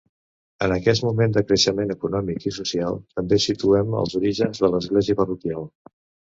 En aquest moment de creixement econòmic i social, també situem els orígens de l'església parroquial.